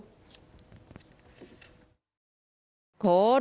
ขอดูกล้องวงจรติดย้อนหลังหน่อย